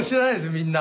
みんな。